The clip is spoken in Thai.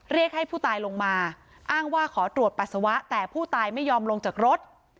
เรียกให้ผู้ตายลงมาอ้างว่าขอตรวจปัสสาวะแต่ผู้ตายไม่ยอมลงจากรถ